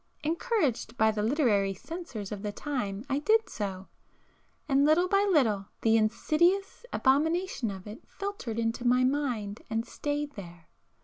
Encouraged by the 'literary censors' of the time, I did so, and little by little the insidious abomination of it filtered into my mind and stayed there.